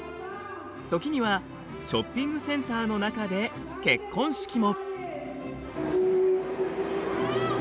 時にはショッピングセンターの中で結婚式も！